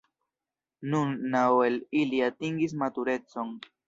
Nun naŭ el ili atingis maturecon.